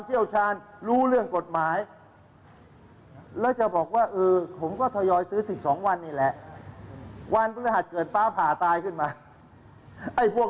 คุณเข้าใจที่ผมพูดหรือยัง